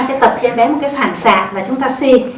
sẽ tập cho em bé một cái phản xạ và chúng ta si